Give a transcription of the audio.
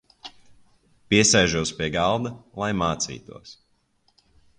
Piesēžos pie galda, lai mācītos.